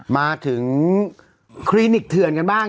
มาถึงคลินิกเถื่อนกันบ้าง